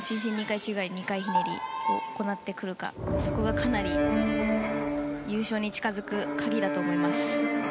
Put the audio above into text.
２回宙返り２回ひねりを行ってくるかが、かなり優勝に近づく鍵だと思います。